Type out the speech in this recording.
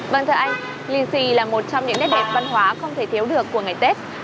vâng thưa anh lìn xì là một trong những nét đẹp văn hóa không thể thiếu được của ngày tết